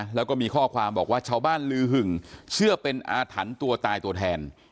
แล้วก็มีข้อความบอกว่าชาวบ้านลือหึงเชื่อเป็นอาถรรพ์ตัวตายตัวแทน